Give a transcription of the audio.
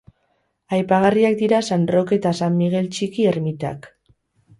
Aipagarriak dira San Roke eta San Migel Txiki ermitak.